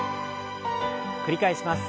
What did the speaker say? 繰り返します。